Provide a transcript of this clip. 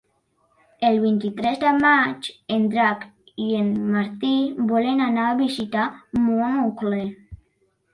El vint-i-tres de maig en Drac i en Martí volen anar a visitar mon oncle.